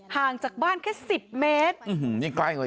ห่างจากบ้านแค่๑๐เมตร